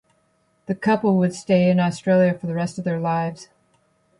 The couple would stay in Australia for the rest of their lives.